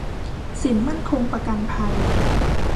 สินมั่นคงประกันภัย